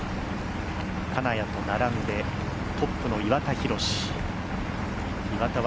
金谷と並んでトップの岩田寛。